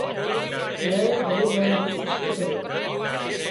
ايئانئي ڳريٻان نُون سُک ڪريون